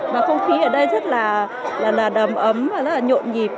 mà không khí ở đây rất là đầm ấm và rất là nhộn nhịp